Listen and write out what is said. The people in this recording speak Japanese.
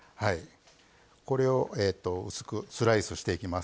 これを薄くスライスしていきます。